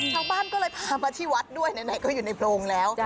ชาวบ้านก็เลยพามาที่วัดด้วยไหนก็อยู่ในโพรงแล้ว